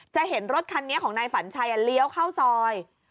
เห็นรถคันนี้ของนายฝันชัยเลี้ยวเข้าซอย